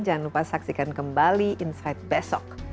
jangan lupa saksikan kembali insight besok